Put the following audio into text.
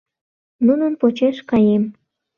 Нунын почеш каем».